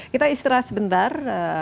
kita istirahat sebentar